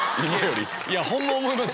いやホンマ思います